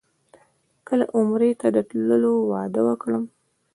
کله عمرې ته د تللو وعده وکړم.